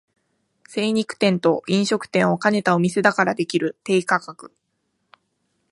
精肉店と飲食店を兼ねたお店だからできる低価格